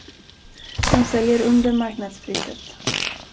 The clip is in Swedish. De säljer under marknadspriset.